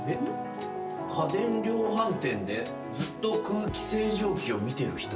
「家電量販店でずっと空気清浄機を見てる人」